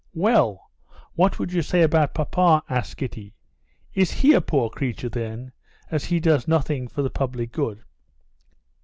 "Well, what would you say about papa?" asked Kitty. "Is he a poor creature then, as he does nothing for the public good?"